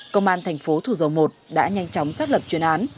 công an thành phố thủ dầu một đã nhanh chóng xác lập chuyên án